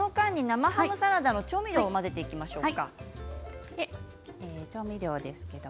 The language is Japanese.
生ハムサラダの調味料を混ぜていきましょう。